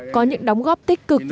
có những đóng góp tích cực và đồng hành